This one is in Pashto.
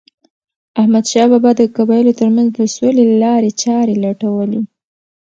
احمدشاه بابا د قبایلو ترمنځ د سولې لارې چارې لټولې.